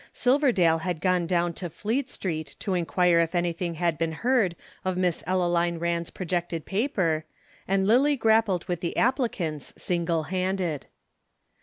Silverdale had gone down to Fleet Street to inquire if anything had been heard of Miss Ellaline Rand's projected paper, and Lillie grappled with the applicants single handed.